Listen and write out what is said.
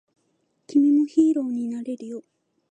君もヒーローになれるよ